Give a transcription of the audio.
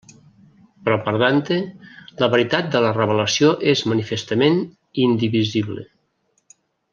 Però per Dante la veritat de la revelació és manifestament, indivisible.